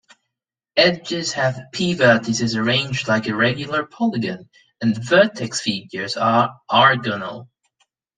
Edges have "p" vertices arranged like a regular polygon, and vertex figures are "r"-gonal.